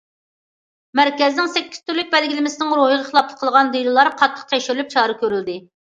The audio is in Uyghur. مەركەزنىڭ سەككىز تۈرلۈك بەلگىلىمىسىنىڭ روھىغا خىلاپلىق قىلغان دېلولار قاتتىق تەكشۈرۈلۈپ چارە كۆرۈلدى.